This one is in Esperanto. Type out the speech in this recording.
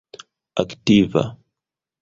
aktiva